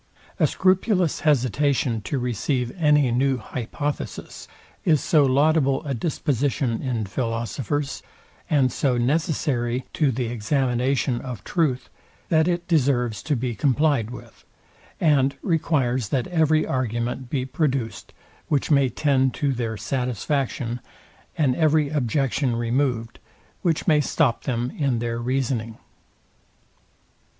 A scrupulous hesitation to receive any new hypothesis is so laudable a disposition in philosophers, and so necessary to the examination of truth, that it deserves to be complyed with, and requires that every argument be produced, which may tend to their satisfaction, and every objection removed, which may stop them in their reasoning.